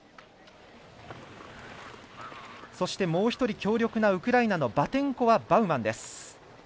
そしてもう１人強力なウクライナのバテンコワバウマンです。